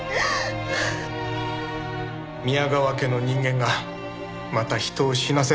宮川家の人間がまた人を死なせたんです。